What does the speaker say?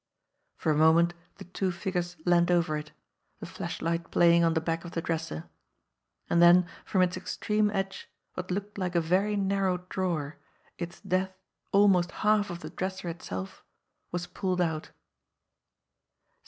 For a moment the two figures leaned over it, the flashlight playing on the back of the dresser ; and then from its extreme edge, what looked like a very narrow drawer, its depth almost half of the dresser itself, was pulled out.